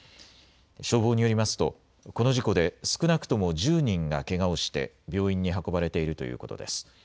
消防によりますとこの事故で少なくとも１０人がけがをして病院に運ばれているということです。